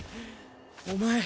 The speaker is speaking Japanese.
お前。